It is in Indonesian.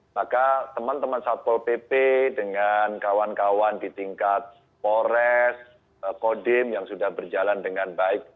maka teman teman satpol pp dengan kawan kawan di tingkat polres kodim yang sudah berjalan dengan baik